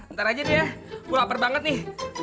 ntar aja deh ya gue lapar banget nih